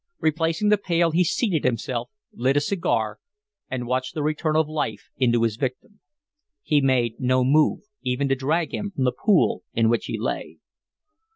Replacing the pail, he seated himself, lit a cigar, and watched the return of life into his victim. He made no move, even to drag him from the pool in which he lay.